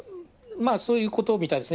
まあそういうことみたいですね。